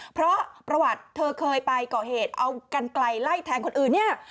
เพราะประวัติเธอเคยไปก่อเหตุเอากันไกลไล่แทงคนอื่นเนี่ย